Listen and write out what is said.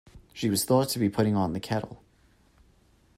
She was thought to be putting on the kettle.